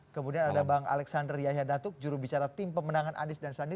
kemudian ada bang alexander yahya datuk jurubicara tim pemenangan anies dan sandi